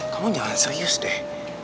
kamu jangan serius deh